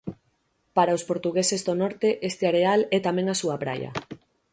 Para os portugueses do norte, este areal é tamén a súa praia.